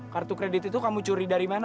kartu kredit itu kamu curi dari mana